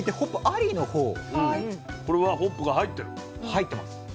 入ってます。